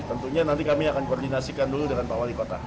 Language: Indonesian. tentunya nanti kami akan koordinasikan dulu dengan pak wali kota